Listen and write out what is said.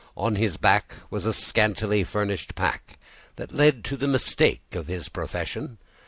On his back was a scantily furnished pack, that had led to the mistake in his profession.